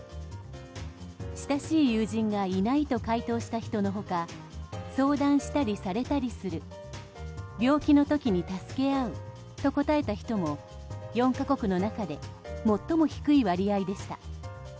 親しい友人がいないと回答した人の他相談したりされたりする病気の時に助け合うと答えた人も４か国の中で最も低い割合でした。